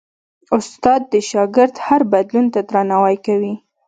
استاد د شاګرد هر بدلون ته درناوی کوي.